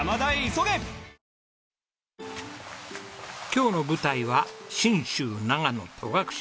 今日の舞台は信州長野戸隠。